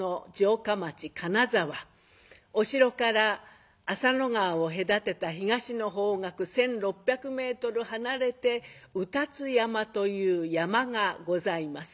お城から浅野川を隔てた東の方角１，６００ｍ離れて卯辰山という山がございます。